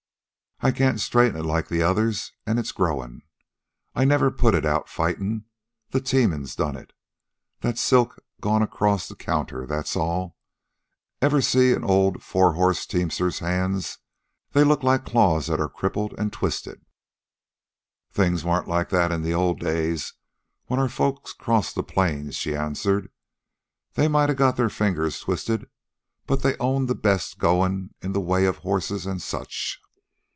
"I can't straighten it like the others, an' it's growin'. I never put it out fightin'. The teamin's done it. That's silk gone across the counter, that's all. Ever see a old four horse teamster's hands? They look like claws they're that crippled an' twisted." "Things weren't like that in the old days when our folks crossed the plains," she answered. "They might a got their fingers twisted, but they owned the best goin' in the way of horses and such."